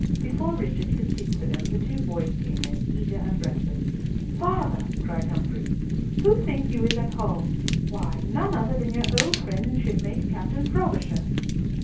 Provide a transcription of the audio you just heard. Before Richard could speak for them, the two boys came in, eager and breathless. "Father!" cried Humfrey, "who think you is at Hull? Why, none other than your old friend and shipmate, Captain Frobisher!"